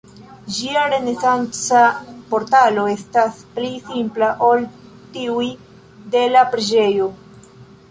Ĝia renesanca portalo estas pli simpla ol tiuj de la preĝejo.